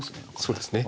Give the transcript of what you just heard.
そうですね。